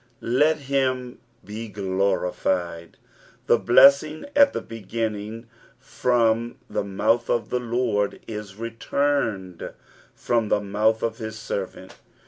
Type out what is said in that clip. let him be glorified. The blessing at the beginning from the mouth of Ood is retained from the mouth of his servant.